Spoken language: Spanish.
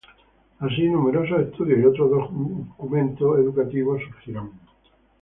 Así, numerosos estudios y otros documentos educativos surgirán.